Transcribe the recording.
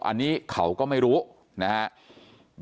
อันนี้เขาก็ไม่รู้นะครับ